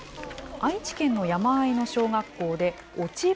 愛知県の山あいの小学校で、落ち葉